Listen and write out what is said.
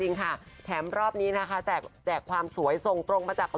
เมืองไทยจริงค่ะแถมรอบนี้นะคะแจกแจกความสวยส่งตรงมาจาก